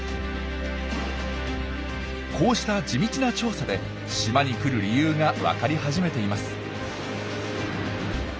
こうした地道な調査で島に来る理由が分かり始めています。